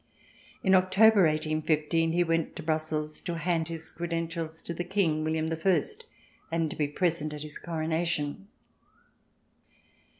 In October, 1815, he went to Brussels to hand his credentials to the King, William I, and be present at his coronation.